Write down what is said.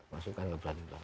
masukan gak berani lah